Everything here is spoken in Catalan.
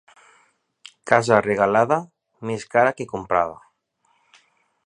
Casa regalada, més cara que comprada.